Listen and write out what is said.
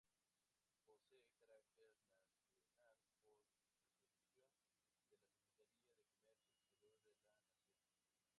Posee carácter nacional por resolución de la Secretaría de Comercio Exterior de la nación.